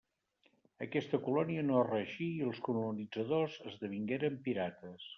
Aquesta colònia no reeixí i els colonitzadors esdevingueren pirates.